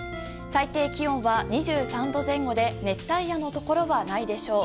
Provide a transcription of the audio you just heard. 最低気温は２３度前後で熱帯夜のところはないでしょう。